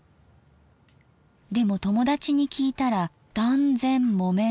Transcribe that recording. でも友達に聞いたら断然木綿派でした。